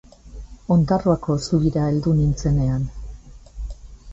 Ondarroako zubira heldu nintzenean.